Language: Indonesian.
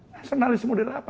nasionalisme muda apa